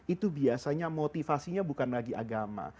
itu biasanya motivasinya bukan lagi agama